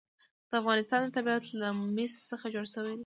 د افغانستان طبیعت له مس څخه جوړ شوی دی.